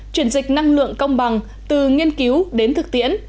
chuyển dịch năng lượng công bằng từ nghiên cứu đến thực tiễn